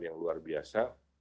yang luar biasa